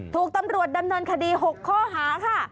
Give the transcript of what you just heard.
ถูกตำรวจดำเนินคดี๖ข้อหาค่ะ